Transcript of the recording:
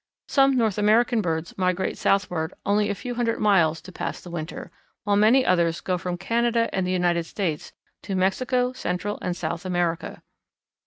Some North American birds migrate southward only a few hundred miles to pass the winter, while many others go from Canada and the United States to Mexico, Central and South America.